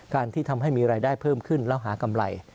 ที่ทำให้มีรายได้เพิ่มขึ้นแล้วหากำไร